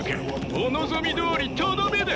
お望みどおりとどめだ。